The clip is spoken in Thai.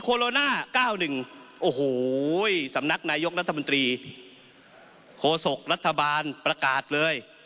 โคศกรัฐบาลประกาศเลย